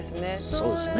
そうですね。